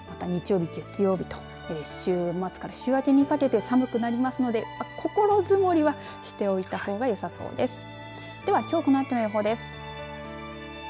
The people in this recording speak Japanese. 月曜日、週末から週明けにかけて寒くなりますので心づもりはしておいたほうがよさそうです。